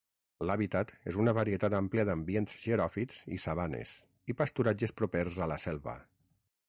L'hàbitat és una varietat àmplia d'ambients xeròfits i sabanes, i pasturatges propers a la selva.